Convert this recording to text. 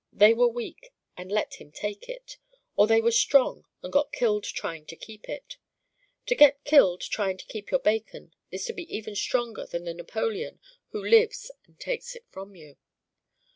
They were Weak and let him take it, or they were strong and got killed trying to keep it. To get killed trying to keep your bacon is to be even stronger than the Napoleon who lives and takes it from you.